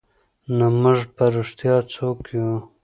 نو موږ په رښتیا څوک یو؟